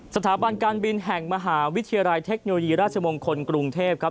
สถาบันการบินแห่งมหาวิทยาลัยเทคโนโลยีราชมงคลกรุงเทพครับ